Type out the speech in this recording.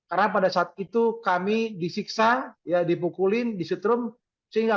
ataupun kemampuan dan ashutnya